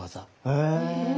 へえ。